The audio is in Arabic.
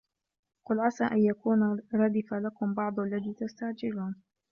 قُل عَسى أَن يَكونَ رَدِفَ لَكُم بَعضُ الَّذي تَستَعجِلونَ